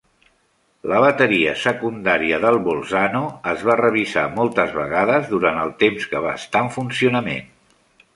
La bateria secundària del "Bolzano" es va revisar moltes vegades durant el temps que va estar en funcionament.